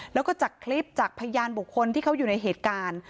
แล้วก็จากคลิปจากพยานบุคคลที่เขาอยู่ในเหตุการณ์